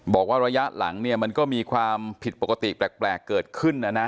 บอกว่าระยะหลังเนี่ยมันก็มีความผิดปกติแปลกเกิดขึ้นนะนะ